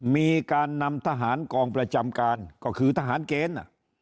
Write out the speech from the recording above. มีการนำทหารกองประจำการก็คือทหารเกณฑ์